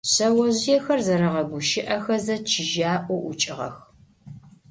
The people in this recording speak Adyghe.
Шъэожъыехэр зэрэгъэгущыӀэхэзэ чыжьаӀоу ӀукӀыгъэх.